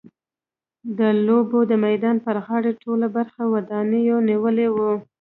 د لوبو د میدان پر غاړه ټوله برخه ودانیو نیولې وه.